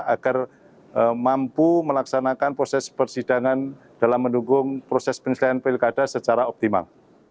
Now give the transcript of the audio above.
agar mampu melaksanakan proses persidangan dalam mendukung proses penyelesaian pilkada secara optimal